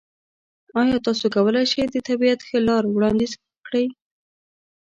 ایا تاسو کولی شئ د طبیعت ښه لار وړاندیز کړئ؟